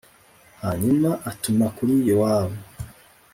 Hanyuma atuma kuri Yowabu